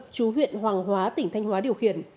chú huyện hoàng hóa tỉnh thanh hóa điều khiển